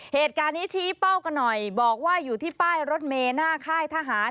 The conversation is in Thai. เหตุการณ์นี้ชี้เป้ากันหน่อยบอกว่าอยู่ที่ป้ายรถเมหน้าค่ายทหาร